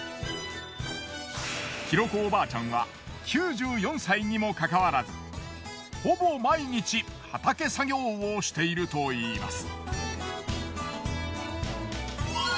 大子おばあちゃんは９４歳にもかかわらずほぼ毎日畑作業をしているといいます。